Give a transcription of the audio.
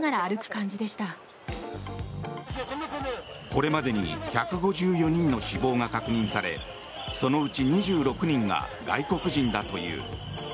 これまでに１５４人の死亡が確認されそのうち２６人が外国人だという。